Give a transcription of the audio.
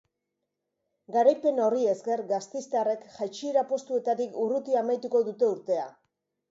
Garaipen horri esker, gasteiztarrek jaitsiera postuetatik urruti amaituko dute urtea.